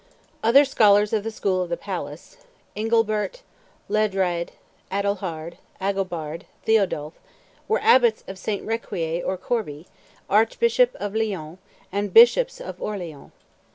Other scholars of the school of the palace, Angilbert, Leidrade, Adalhard, Agobard, Theodulph, were abbots of St. Riquier or Corbie, archbishops of Lyons, and bishops of Orleans.